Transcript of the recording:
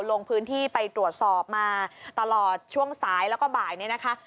ลงพื้นที่ไปตรวจสอบมาตลอดช่วงสายแล้วก็บ่ายนี้นะคะ